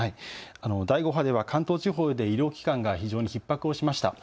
第５波では関東地方で医療機関が非常にひっ迫をしました。